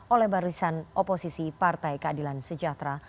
oleh barisan oposisi partai keadilan sejahtera